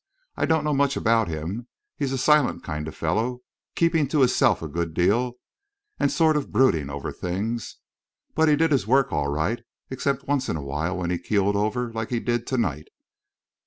I don't know much about him; he's a silent kind of fellow, keeping to hisself a good deal and sort of brooding over things. But he did his work all right, except once in a while when he keeled over like he did to night."